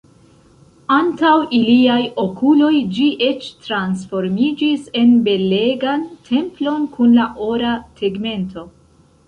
Antaŭ iliaj okuloj ĝi eĉ transformiĝis en belegan templon kun la ora tegmento.